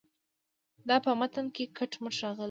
دا په متن کې کټ مټ راغلې.